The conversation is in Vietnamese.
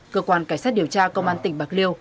cơ quan cảnh sát điều tra công an tỉnh bạc liêu